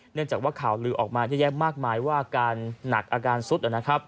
เนื่องจากว่าข่าวลือออกมาเยอะแยะมากมายว่าอาการหนักอาการสุดนะครับ